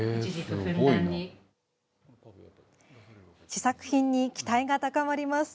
試作品に期待が高まります。